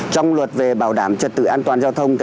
trong luật về bảo đảm trật tự an toàn giao thông